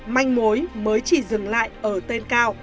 manh mối mới chỉ dừng lại ở tên cao